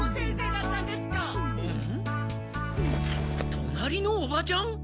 隣のおばちゃん？